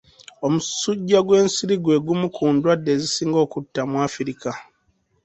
Omusujja gw'ensiri gwe gumu ku ndwadde ezisinga okutta mu Africa.